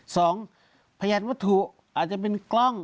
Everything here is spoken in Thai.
พยานวัตถุอาจจะเป็นกล้อง